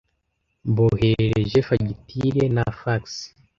Mboherereje fagitire na fax.